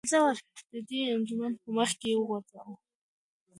د دې انجمن په مخ کې یې وغورځوه.